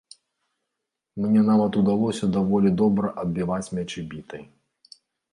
Мне нават удалося даволі добра адбіваць мячы бітай.